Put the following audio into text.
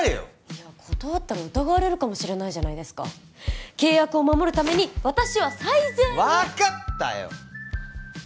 いや断ったら疑われるかもしれないじゃないですか契約を守るために私は最善を分かったよ！